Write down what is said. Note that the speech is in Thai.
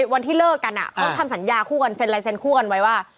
วันที่เลิกกันเขาทำสัญญาคู่กันเซ็นลายเซ็นคู่กันไว้ว่า